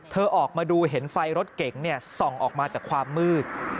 ออกมาดูเห็นไฟรถเก๋งส่องออกมาจากความมืด